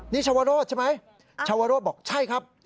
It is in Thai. นี่ชาวโรธใช่ไหมชาวโรธบอกใช่ครับ